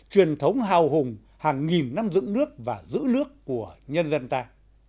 truyền thống hào hùng hàng nghìn năm dựng nước và giữ nước của nhân dân ta